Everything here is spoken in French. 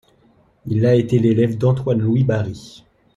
Il a été l'élève d'Antoine-Louis Barye.